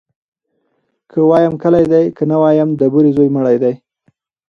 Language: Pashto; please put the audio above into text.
ـ که وايم کلى دى ، که نه وايم د بورې زوى مړى دى.